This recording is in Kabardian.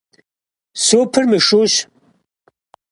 Супыр мышущ.